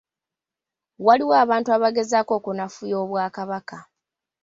Waliwo abantu abagezaako okunafuya Obwakabaka.